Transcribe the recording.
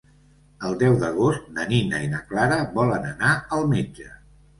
El deu d'agost na Nina i na Clara volen anar al metge.